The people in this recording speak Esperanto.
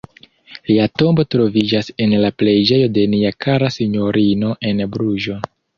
Lia tombo troviĝas en la "preĝejo de nia kara sinjorino" en Bruĝo.